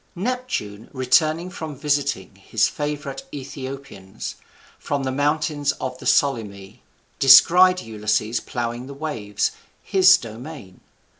Neptune, returning from visiting his favourite Aethiopians, from the mountains of the Solymi, descried Ulysses ploughing the waves, his domain.